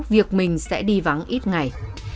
việc mình sẽ đi vắng ít ngày